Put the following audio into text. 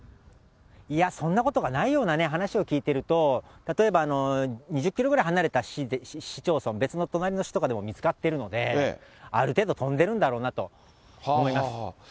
そんなことがないようなね、話を聞いてると、例えば、２０キロぐらい離れた市町村、別の隣の市とかでも見つかっているので、ある程度、飛んでるんだろうなと思います。